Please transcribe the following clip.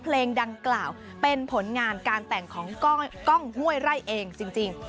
เพลงดังกล่าวเป็นผลงานการแต่งของกล้องห้วยไร่เองจริง